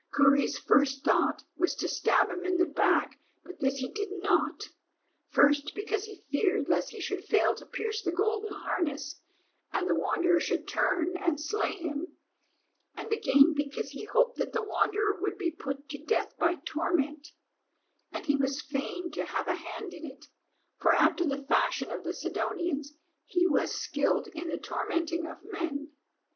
Kurri's first thought was to stab him in the back, but this he did not; first, because he feared lest he should fail to pierce the golden harness and the Wanderer should turn and slay him; and again because he hoped that the Wanderer would be put to death by torment, and he was fain to have a hand in it, for after the fashion of the Sidonians he was skilled in the tormenting of men.